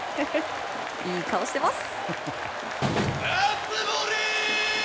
いい顔してます。